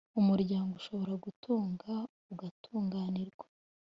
Umuryango ushobora gutunga ugatunganirwa